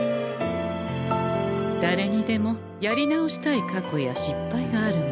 だれにでもやり直したい過去や失敗があるもの。